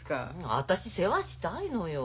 私世話したいのよ。